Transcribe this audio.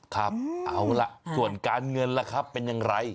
ครับเอาล่ะส่วนการเงินล่ะครับเป็นอย่างไร